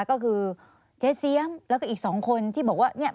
ก็คือเจ๊เสียมแล้วก็อีก๒คนที่บอกว่าเนี่ย